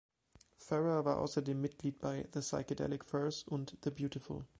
Ferrer war außerdem Mitglied bei The Psychedelic Furs und "The Beautiful".